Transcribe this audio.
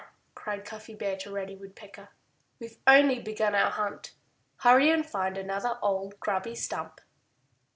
cried Cuffy Bear to Reddy Woodpecker. "We've only begun our hunt. Hurry and find another old, grubby stump!"